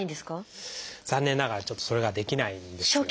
残念ながらちょっとそれができないんですよ。